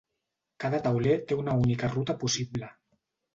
Cada tauler té una única ruta possible.